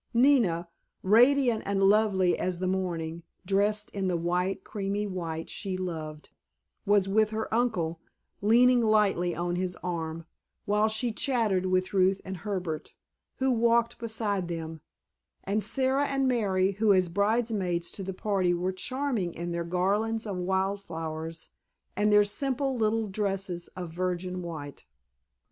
Nina, radiant and lovely as the morning, dressed in the soft creamy white she loved, was with her uncle, leaning lightly on his arm, while she chatted with Ruth and Herbert, who walked beside them, and Sara and Mary, who as bridesmaids to the party were charming in their garlands of wild flowers and their simple little dresses of virgin white.